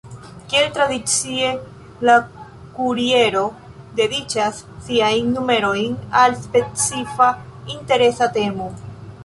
Kiel tradicie la Kuriero dediĉas siajn numerojn al specifa interesa temo.